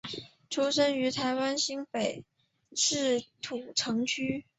出生于台湾新北市土城区。